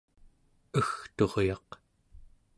egturyaq